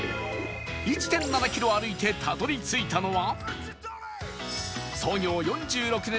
１．７ キロ歩いてたどり着いたのは